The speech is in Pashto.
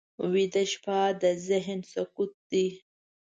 ویده شپه د ذهن سکوت دی